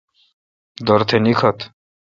دورتھ نیکھوتہ